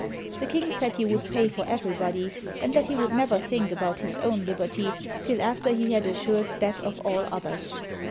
The king said he would pay for everybody, and that he would never think about his own liberty till after he had assured that of all others.